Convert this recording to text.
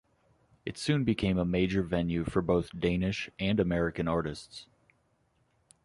It soon became a major venue for both Danish and American artists.